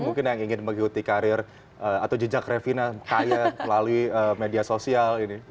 mungkin yang ingin mengikuti karir atau jejak revina kaya melalui media sosial ini